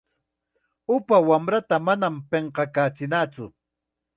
Upa wamrata manam pinqakachinatsu.